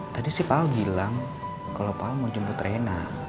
tadi si paal bilang kalau paal mau jemput rena